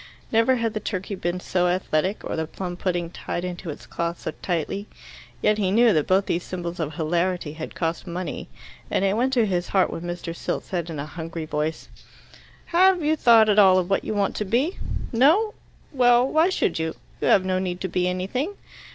Never had the turkey been so athletic, or the plum pudding tied into its cloth so tightly. Yet he knew that both these symbols of hilarity had cost money, and it went to his heart when Mr. Silt said in a hungry voice, "Have you thought at all of what you want to be? No? Well, why should you? You have no need to be anything."